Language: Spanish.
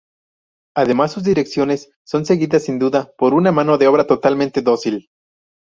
Además, sus direcciones son seguidas sin duda por una mano de obra totalmente dócil.